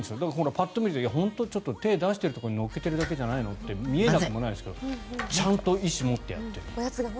パッと見ると手を出しているところに乗せているだけじゃないの？って見えなくもないですけどちゃんと意思を持ってやっている。